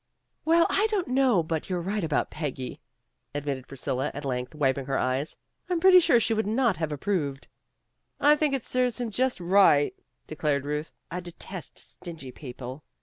"Well, I don't know but you're right about Peggy," admitted Priscilla, at length, wiping her eyes. "I'm pretty sure she would not have approved. '' "I think it serves him just right," declared Euth. "I detest stingy people."